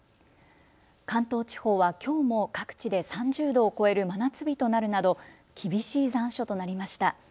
関東地方はきょうも各地で３０度を超える真夏日となるなど厳しい残暑となりました。